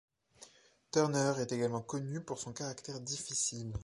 Turner est également connu pour son caractère difficile.